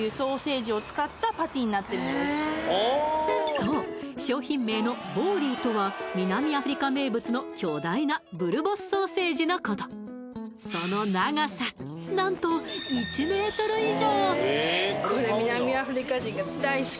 そう商品名のボーリーとは南アフリカ名物の巨大なブルボスソーセージのことその長さ何と１ｍ以上！